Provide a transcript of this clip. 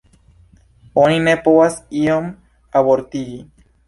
Oni ne povas iom abortigi.